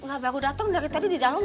enggak baru dateng dari tadi di dalam